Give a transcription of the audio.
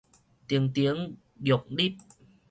亭亭玉立